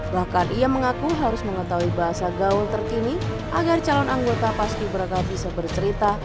bahkan ia mengaku harus mengetahui bahasa gaul terkini agar calon anggota paski beraka bisa bercerita